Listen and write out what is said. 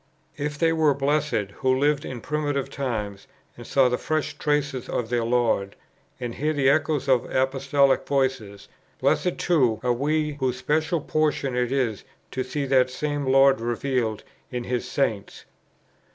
If they were blessed who lived in primitive times, and saw the fresh traces of their Lord, and heard the echoes of Apostolic voices, blessed too are we whose special portion it is to see that same Lord revealed in His Saints.